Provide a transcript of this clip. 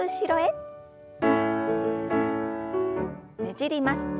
ねじります。